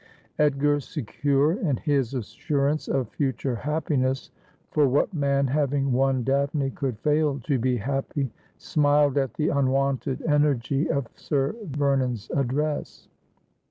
Edgar, secure in his assurance of future happiness — for what man, having won Daphne, could fail to be happy ?— smiled at the unwonted energy of Sir Vernon's address.